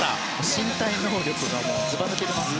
身体能力がずば抜けてますね。